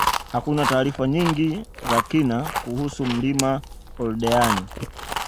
Hakuna taarifa nyingi za kina kuhusu mlima Oldeani